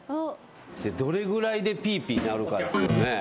どれぐらいでピーピー鳴るかですよね。